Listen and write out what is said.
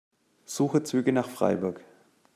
Suche Züge nach Freiburg.